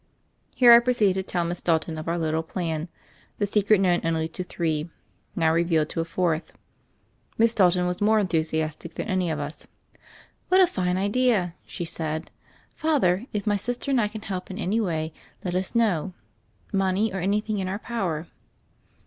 Here I proceeded to tell Miss Dalton of our little plan — the secret known only to three, now revealed to a fourth. Miss Dalton was more enthusiastic than any of us. "What a fine ideal" she said. "Father, if my sister and I can help in any way, let us know — money or anything in our power."